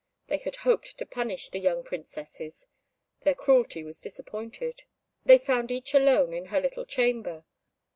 They had hoped to punish the young Princesses: their cruelty was disappointed. They found each alone in her little chamber.